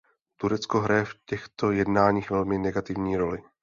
Turecko hraje v těchto jednáních velmi negativní roli.